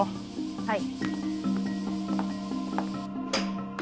はい。